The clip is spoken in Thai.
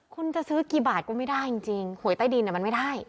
คุณจะซื้อกี่บาทก็ไม่ได้จริงหวยใต้ดินมันไม่ได้